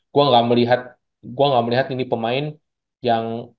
gue nggak melihat ini pemain yang